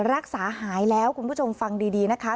รักษาหายแล้วคุณผู้ชมฟังดีนะคะ